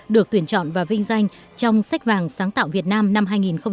được tuyển chọn và vinh danh trong sách phàng sáng tạo việt nam năm hai nghìn hai mươi